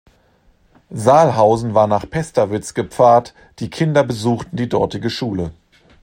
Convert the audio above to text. Saalhausen war nach Pesterwitz gepfarrt, die Kinder besuchten die dortige Schule.